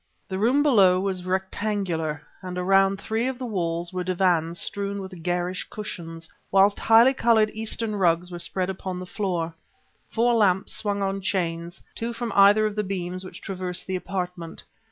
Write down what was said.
The room below was rectangular, and around three of the walls were divans strewn with garish cushions, whilst highly colored Eastern rugs were spread about the floor. Four lamps swung on chains, two from either of the beams which traversed the apartment.